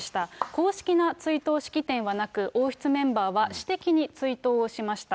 公式な追悼式典はなく、王室メンバーは私的に追悼をしました。